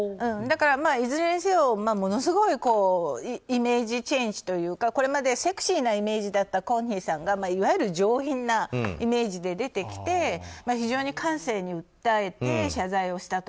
いずれにせよ、ものすごいイメージチェンジというかこれまでセクシーなイメージだったゴンヒさんがいわゆる上品なイメージで出てきて非常に感性に訴えて謝罪をしたと。